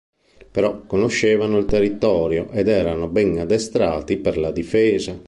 Però conoscevano il territorio, ed erano ben addestrati per la difesa.